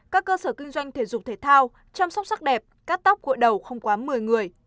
các cơ sở kinh doanh thể dục thể thao chăm sóc sắc đẹp cắt tóc gội đầu không quá một mươi người